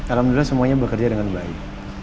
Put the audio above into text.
alhamdulillah semuanya bekerja dengan baik